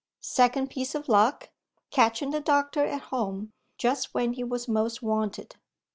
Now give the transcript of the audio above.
Second piece of luck: catching the doctor at home, just when he was most wanted.